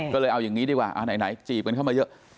ก็เลยเอาอย่างนี้ดีกว่าไหนจีบกันเข้ามาเยอะ